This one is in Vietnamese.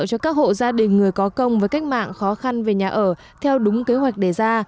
cho các hộ gia đình người có công với cách mạng khó khăn về nhà ở theo đúng kế hoạch đề ra